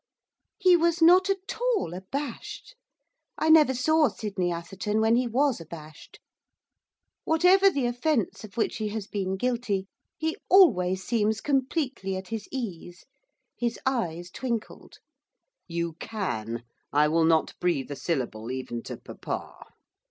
He was not at all abashed, I never saw Sydney Atherton when he was abashed. Whatever the offence of which he has been guilty, he always seems completely at his ease. His eyes twinkled. 'You can, I will not breathe a syllable even to papa.